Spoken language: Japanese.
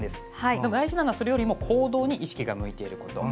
でも、大事なのはそれよりも行動に意識が向いていること。